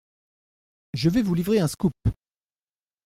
Je vais vous livrer un scoop.